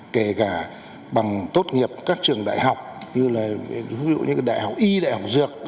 kể cả bằng tốt nghiệp các trường đại học như đại học y đại học dược